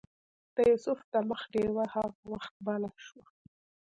د یوسف د مخ ډیوه هغه وخت بله شوه.